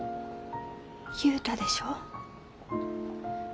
言うたでしょ。